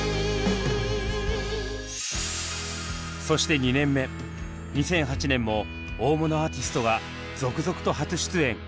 そして２年目２００８年も大物アーティストが続々と初出演。